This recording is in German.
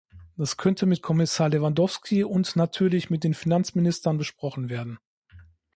Das könnte mit Kommissar Lewandowski und natürlich mit den Finanzministern besprochen werden.